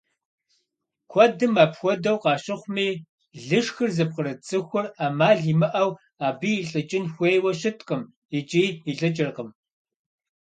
Куэдым апхуэдэу къащыхъуми, лышхыр зыпкърыт цӀыхур Ӏэмал имыӀэу абы илӀыкӀын хуейуэ щыткъым икӀи илӀыкӀыркъым.